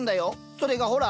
それがほら。